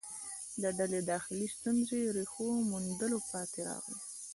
دا ډلې داخلي ستونزو ریښو موندلو پاتې راغلې